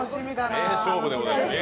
名勝負でございます。